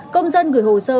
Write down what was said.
công dân gửi hồ sơ